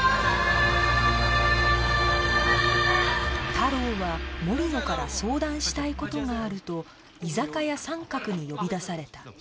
太郎は森野から相談したい事があると居酒屋サンカクに呼び出された